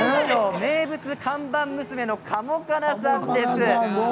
名物看板娘の加茂加奈さんです。